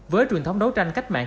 với truyền thống đấu tranh cách mạng